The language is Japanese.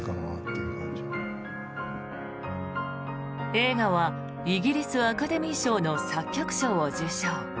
映画は、イギリスアカデミー賞の作曲賞を受賞。